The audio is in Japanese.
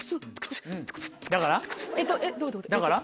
だから？